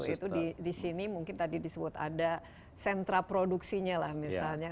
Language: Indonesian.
di situ di sini mungkin tadi disebut ada sentra produksinya lah misalnya